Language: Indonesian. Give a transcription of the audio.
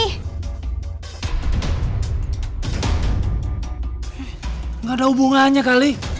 eh gak ada hubungannya kali